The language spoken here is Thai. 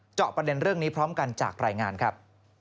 เจาะประเด็นเรื่องนี้พร้อมกันจากรายงานครับ